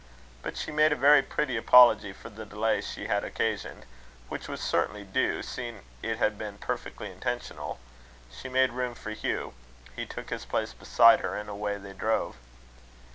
But she made a very pretty apology for the delay she had occasioned; which was certainly due, seeing it had been perfectly intentional. She made room for Hugh; he took his place beside her; and away they drove.